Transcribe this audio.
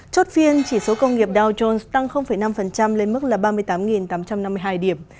chốt phiên chỉ số công nghiệp dow jones tăng năm lên mức là ba mươi tám tám trăm năm mươi hai điểm